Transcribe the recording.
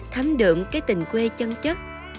thấm đượm cái tình quê chân chất